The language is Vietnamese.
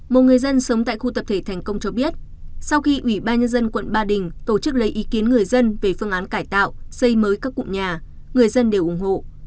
một người dân sống tại khu tập thể thành công cho biết sau khi ủy ban nhân dân quận ba đình tổ chức lấy ý kiến người dân về phương án cải tạo xây mới các cụm nhà người dân đều ủng hộ